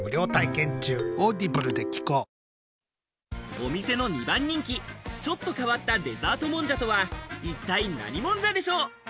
お店の２番人気、ちょっと変わったデザートもんじゃとは一体何もんじゃでしょう？